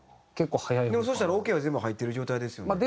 でもそしたらオケは全部入ってる状態ですよね。